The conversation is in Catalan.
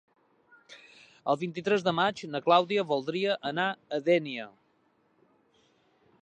El vint-i-tres de maig na Clàudia voldria anar a Dénia.